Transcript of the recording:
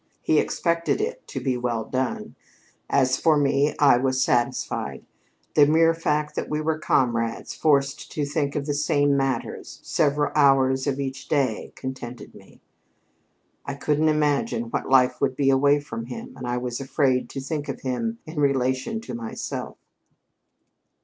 He expected it to be well done. As for me, I was satisfied. The mere fact that we were comrades, forced to think of the same matters several hours of each day, contented me. I couldn't imagine what life would be away from him; and I was afraid to think of him in relation to myself."